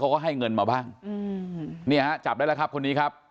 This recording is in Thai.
เขาก็ให้เงินมาบ้างอืมเนี่ยฮะจับได้แล้วครับคนนี้ครับ